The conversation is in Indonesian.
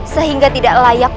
sehingga tidak layak